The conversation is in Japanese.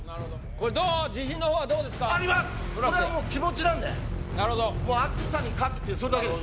これはもう気持ちなんでなるほどもう熱さに勝つっていうそれだけです